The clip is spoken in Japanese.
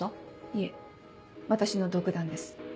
いえ私の独断です。